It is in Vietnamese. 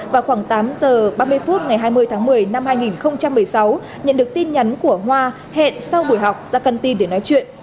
vào khoảng tám giờ ba mươi phút ngày hai mươi tháng một mươi năm hai nghìn một mươi sáu nhận được tin nhắn của hoa hẹn sau buổi học ra cân tin để nói chuyện